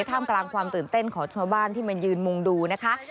ท่ามกลางความตื่นเต้นของชาวบ้านที่มายืนมุงดูนะคะ